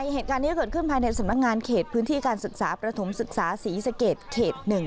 เหตุการณ์นี้เกิดขึ้นภายในสำนักงานเขตพื้นที่การศึกษาประถมศึกษาศรีสเกตเขต๑